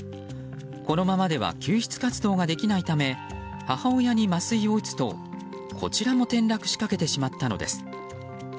このままでは救出活動ができないため母親に麻酔を打つと、こちらも転落しかけてしまったのです。